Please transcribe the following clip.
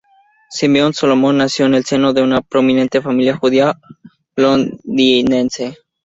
Simeon Solomon nació en el seno de una prominente familia judía londinense.